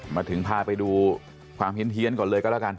มาถึงพาไปดูความเฮียนก่อนเลยก็แล้วกัน